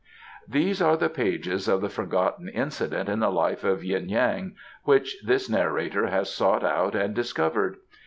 These are the pages of the forgotten incident in the life of Yuen Yan which this narrator has sought out and discovered.